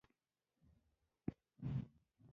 هره ورځ صفر ساعته ټلویزیون وګورئ.